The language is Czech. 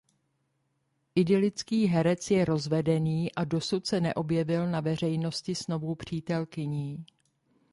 Indický herec je rozvedený a dosud se neobjevil na veřejnosti s novou přítelkyní.